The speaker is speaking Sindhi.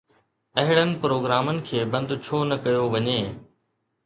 اهڙن پروگرامن کي بند ڇو نه ڪيو وڃي؟